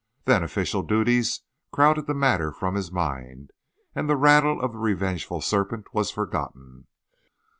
Then official duties crowded the matter from his mind, and the rattle of the revengeful serpent was forgotten.